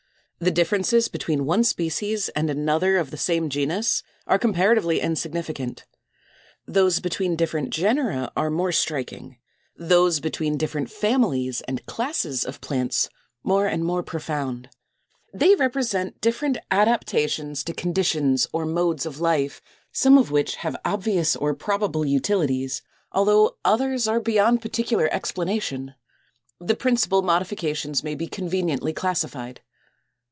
The differences between one species and another of the same genus are comparatively insignificant; those between different genera are more striking; those between different families and classes of plants more and more profound. They represent different adaptations to conditions or modes of life, some of which have obvious or probable utilities, although others are beyond particular explanation. The principal modifications may be conveniently classified.